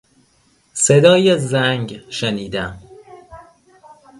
صدای زنگ شنیدم.